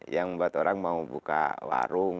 yang membuat orang mau buka warung